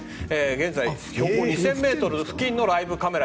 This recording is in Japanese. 現在標高２０００ｍ付近のライブカメラ。